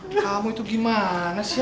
kamu itu gimana sih